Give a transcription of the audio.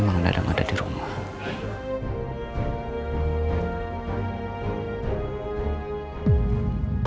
memang ada ada di rumah